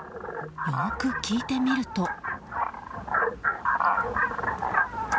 よく聞いてみると。